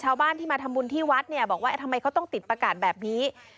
ชาวบ้านที่มาทำบุญที่วัดเนี่ยบอกว่าทำไมเขาต้องติดประกาศแบบนี้